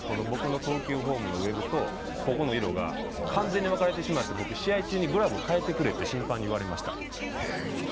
僕の投球フォームのウェブとここの色が完全に変わってしまって僕、試合中にグラブ替えてくれって審判に言われました。